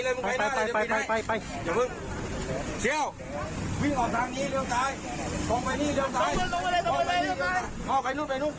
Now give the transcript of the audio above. กล้อไปข้างนู้นไปนู้นก็ได้